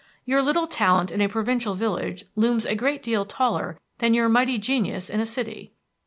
Your little talent in a provincial village looms a great deal taller than your mighty genius in a city.